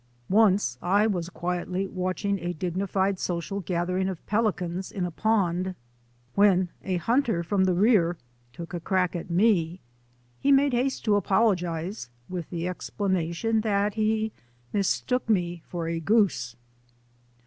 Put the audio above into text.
Once I was quietly watching a dignified social gathering of pelicans in a pond when a hunter from the rear took a crack at me. He made haste to apologize with the explanation that he mistook me for a goose.